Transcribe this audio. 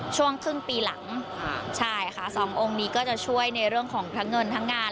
ช่วงครึ่งปีหลังใช่ค่ะสององค์นี้ก็จะช่วยในเรื่องของทั้งเงินทั้งงาน